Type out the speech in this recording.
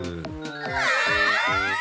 わあ！